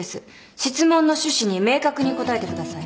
質問の趣旨に明確に答えてください。